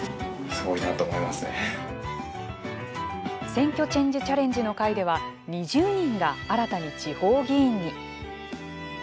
選挙チェンジチャレンジの会では２０人が新たに地方議員に。